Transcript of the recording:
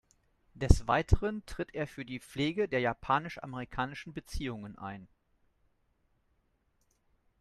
Des Weiteren tritt er für die Pflege der japanisch-amerikanischen Beziehungen ein.